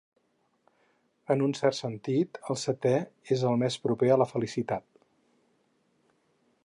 En un cert sentit, el setè és el més proper a la felicitat.